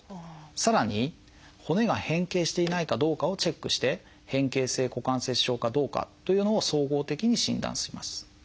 さらに骨が変形していないかどうかをチェックして変形性股関節症かどうかというのを総合的に診断します。